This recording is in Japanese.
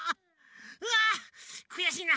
うわくやしいな。